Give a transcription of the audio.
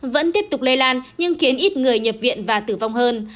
vẫn tiếp tục lây lan nhưng khiến ít người nhập viện và tử vong hơn